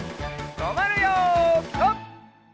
とまるよピタ！